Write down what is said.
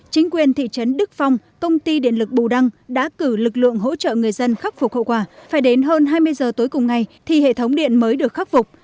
chính quyền thị trấn đức phong công ty điện lực bù đăng đã cử lực lượng hỗ trợ người dân khắc phục hậu quả phải đến hơn hai mươi giờ tối cùng ngày thì hệ thống điện mới được khắc phục